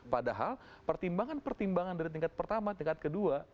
padahal pertimbangan pertimbangan dari tingkat pertama tingkat kedua